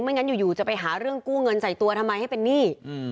งั้นอยู่จะไปหาเรื่องกู้เงินใส่ตัวทำไมให้เป็นหนี้